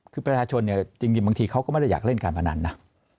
คือประชาชนเนี่ยจริงบางทีเขาก็ไม่ได้อยากเล่นการพนันนะ